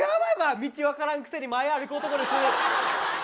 道わからんくせに前歩く男ですね。